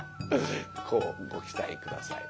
乞うご期待下さい。